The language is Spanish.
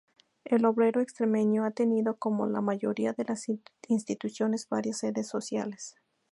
El Obrero Extremeño ha tenido, como la mayoría de las instituciones, varias sedes sociales.